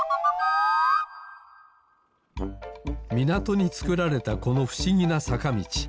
みなとにつくられたこのふしぎなさかみち。